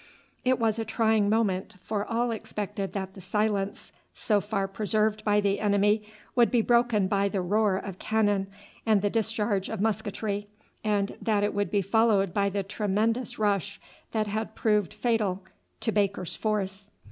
It was a trying moment, for all expected that the silence, so far preserved by the enemy, would be broken by the roar of cannon and the discharge of musketry, and that it would be followed by the tremendous rush that had proved fatal to Baker's force.